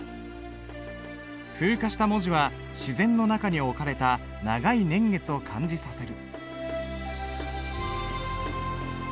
風化した文字は自然の中に置かれた長い年月を感じさせる。